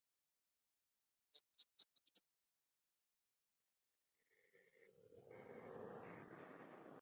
Más tarde dichos jóvenes pasarían a formar el hoy nombrado Colectivo Editorial Fi.